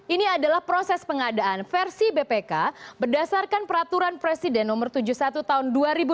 ini adalah proses pengadaan versi bpk berdasarkan peraturan presiden no tujuh puluh satu tahun dua ribu dua puluh